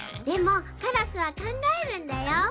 でもカラスはかんがえるんだよ。